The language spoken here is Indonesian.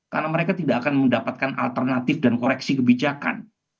karena mereka tidak akan mendapatkan alternatif dan koreksi kebijakan